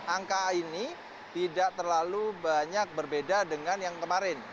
angka ini tidak terlalu banyak berbeda dengan yang kemarin